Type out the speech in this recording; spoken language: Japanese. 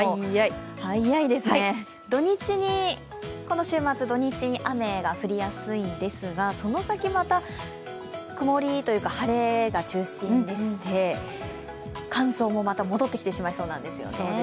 早いですね、この週末土日に雨が降りやすいんですがその先また曇りというか晴れが中心でして、乾燥もまた戻ってきてしまいそうなんです。